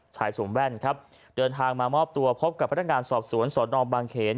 ชายสุมแว่นเดินทางมามอบตัวพบกับพัฒนาการสอบสวนสนองบางเขน